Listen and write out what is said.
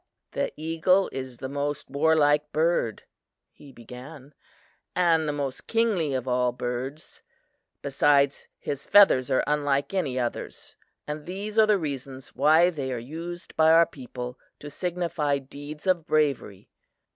"The eagle is the most war like bird," he began, "and the most kingly of all birds; besides, his feathers are unlike any others, and these are the reasons why they are used by our people to signify deeds of bravery.